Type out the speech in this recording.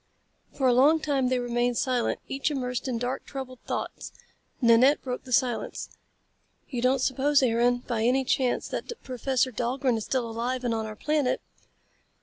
For a long time they remained silent, each immersed in dark, troubled thoughts. Nanette broke the silence. "You don't suppose, Aaron, by any chance that Professor Dahlgren is still alive and on our planet?"